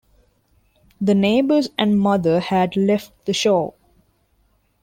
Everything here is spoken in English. The neighbours and mother had left the show.